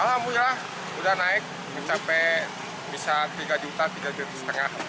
alhamdulillah sudah naik mencapai bisa tiga juta tiga juta setengah